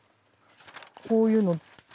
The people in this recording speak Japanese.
こういうの。